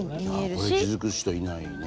これ気付く人いないよね。